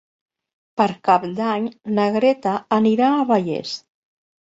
Per Cap d'Any na Greta anirà a Vallés.